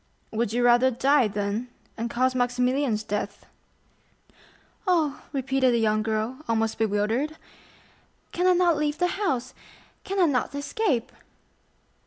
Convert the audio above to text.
"Would you rather die, then, and cause Maximilian's death?" "Oh," repeated the young girl, almost bewildered, "can I not leave the house?—can I not escape?"